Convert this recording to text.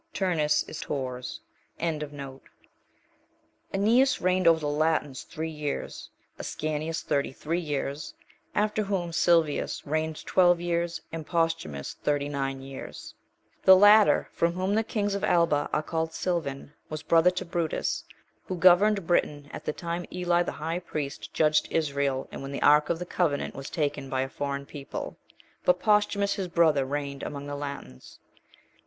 (4) Tours. 11. Aeneas reigned over the Latins three years; Ascanius thirty three years; after whom Silvius reigned twelve years, and Posthumus thirty nine * years: the latter, from whom the kings of Alba are called Silvan, was brother to Brutus, who governed Britain at the time Eli the high priest judged Israel, and when the ark of the covenant was taken by a foreign people. But Posthumus his brother reigned among the Latins.